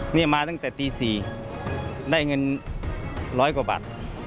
นี่มาตั้งแต่ตี๔ได้เงินร้อยกว่าบาท